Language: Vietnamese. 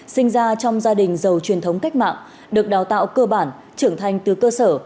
sinh ra trong gia đình giàu truyền thống cách mạng được đào tạo cơ bản trưởng thành từ cơ sở